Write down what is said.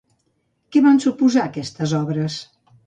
Què van suposar aquestes obres?